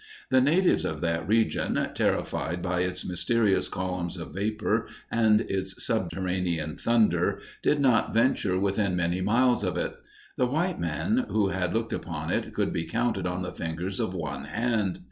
The natives of that region, terrified by its mysterious columns of vapor and its subterranean thunder, did not venture within many miles of it. The white men who had looked upon it could be counted on the fingers of one hand.